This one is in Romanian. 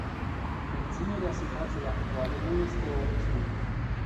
Menținerea situației actuale nu este o opțiune.